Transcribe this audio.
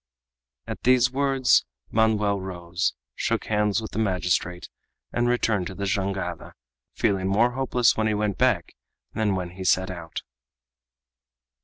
At these words Manoel rose, shook hands with the magistrate, and returned to the jangada, feeling more hopeless when he went back than when he set out.